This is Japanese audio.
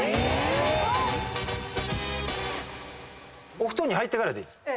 お布団に入ってからでいいです。